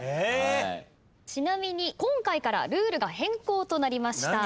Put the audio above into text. ちなみに今回からルールが変更となりました。